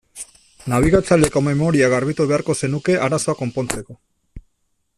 Nabigatzaileko memoria garbitu beharko zenuke arazoa konpontzeko.